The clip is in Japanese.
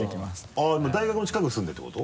あぁ大学の近くに住んでるってこと？